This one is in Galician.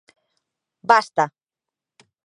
Basta!